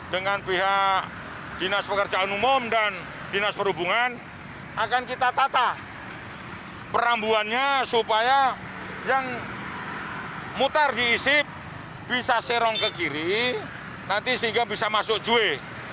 dengan pihak dinas pekerjaan umum dan dinas perhubungan akan kita tata perambuannya supaya yang mutar diisi bisa serong ke kiri nanti sehingga bisa masuk jue